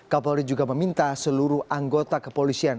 kapolri juga meminta seluruh anggota kepolisian